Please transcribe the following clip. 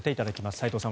斎藤さん